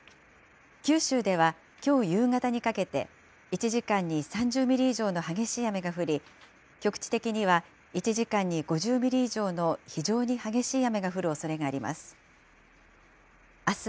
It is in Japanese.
九州ではきょう夕方にかけて、１時間に３０ミリ以上の激しい雨が降り、局地的には１時間に５０ミリ以上の非常に激しい雨が降るおそれがあります。